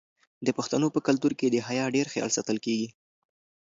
د پښتنو په کلتور کې د حیا ډیر خیال ساتل کیږي.